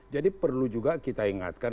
jadi perlu juga kita ingatkan